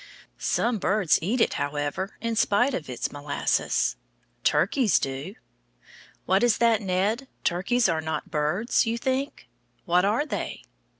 Some birds eat it, however, in spite of its molasses. Turkeys do. What is that, Ned? turkeys are not birds, you think? What are they?